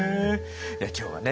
今日はね